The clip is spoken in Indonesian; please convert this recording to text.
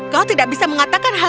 kau tidak bisa mengatakan hal hal ini